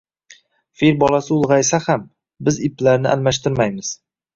Fil bolasi ulg`aysa ham, biz iplarni almashtirmaymiz